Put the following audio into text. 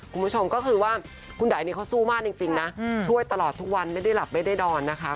คุณผู้ชมก็คือว่าคุณไดนี่เขาสู้มากจริงนะช่วยตลอดทุกวันไม่ได้หลับไม่ได้นอนนะคะ